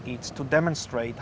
ini untuk menunjukkan